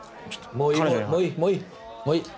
もういい。